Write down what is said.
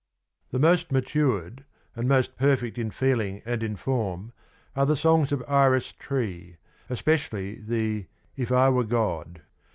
The most matured, and most perfect in feeling and in form, are the songs of Iris Tree, especially the ' If I were God.'